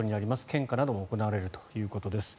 献花なども行われるということです。